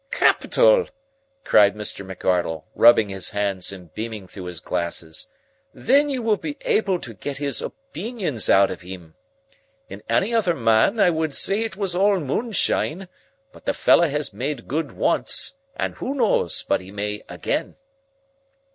"Capital!" cried McArdle, rubbing his hands and beaming through his glasses. "Then you will be able to get his opeenions out of him. In any other man I would say it was all moonshine, but the fellow has made good once, and who knows but he may again!"